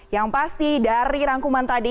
yang pasti dari rangkuman tadi